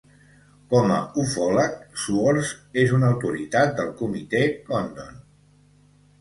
Com a ufòleg, Swords és una autoritat del Comitè Condon.